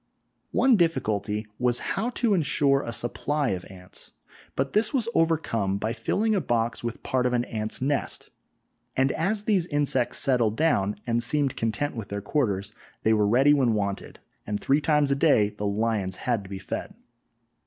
One difficulty was how to ensure a supply of ants, but this was overcome by filling a box with part of an ants' nest, and as these insects settled down and seemed content with their quarters, they were ready when wanted, and three times a day the lions had to be fed!